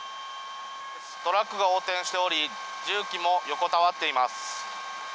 トラックが横転しており、重機も横たわっています。